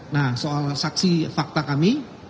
nah soal saksi fakta kami